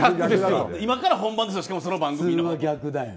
今から本番ですよ、その番組の。